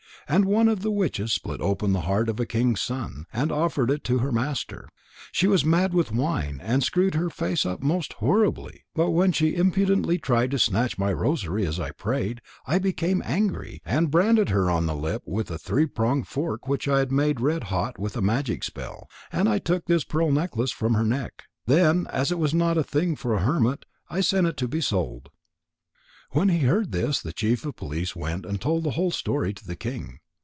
And one of the witches split open the heart of a king's son, and offered it to her master. She was mad with wine, and screwed up her face most horribly. But when she impudently tried to snatch my rosary as I prayed, I became angry, and branded her on the hip with a three pronged fork which I had made red hot with a magic spell. And I took this pearl necklace from her neck. Then, as it was not a thing for a hermit, I sent it to be sold." When he heard this, the chief of police went and told the whole story to the king.